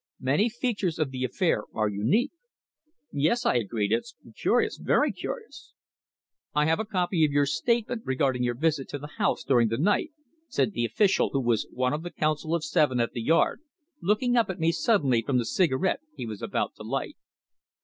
Many features of the affair are unique." "Yes," I agreed. "It is curious very curious." "I have a copy of your statement regarding your visit to the house during the night," said the official, who was one of the Council of Seven at the Yard, looking up at me suddenly from the cigarette he was about to light.